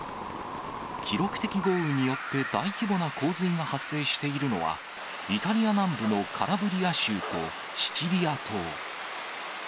記録的豪雨によって大規模な洪水が発生しているのは、イタリア南部のカラブリア州とシチリア島。